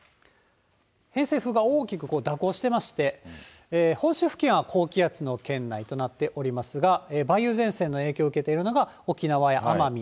偏西風が大きく蛇行してまして、本州付近は高気圧の圏内となっておりますが、梅雨前線の影響を受けているのが、沖縄や奄美。